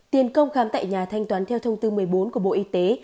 tiền công khám tại nhà thanh toán theo thông tư một mươi bốn của bộ y tế